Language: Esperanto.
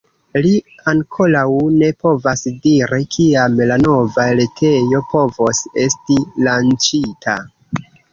Li ankoraŭ ne povas diri, kiam la nova retejo povos esti lanĉita.